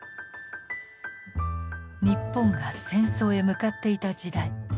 日本が戦争へ向かっていた時代。